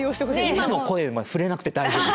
今の声触れなくて大丈夫。